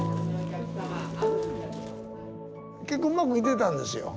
結構うまくいってたんですよ。